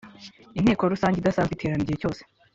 Inteko Rusange idasanzwe iterana igihe cyose